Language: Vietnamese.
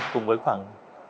cùng với khoảng